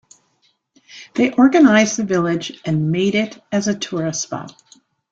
They organized the village and made it as a tourist spot.